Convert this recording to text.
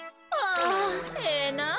あええなあ